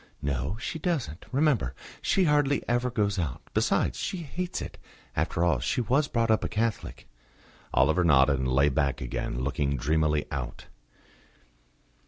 "No, she doesn't. Remember she hardly ever goes out. Besides, she hates it. After all, she was brought up a Catholic." Oliver nodded, and lay back again, looking dreamily out.